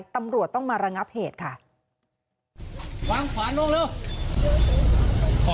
ตำรวจต้องมาระงับเหตุค่ะวางขวานลงเร็ว